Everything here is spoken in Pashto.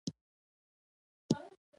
زما هغه هلک ندی خوښ، زه ورسره واده نکوم!